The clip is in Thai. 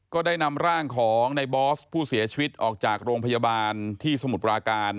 ก็ได้นำร่างของในบอสผู้เสียชีวิตออกจากโรงพยาบาลที่สมุทรปราการ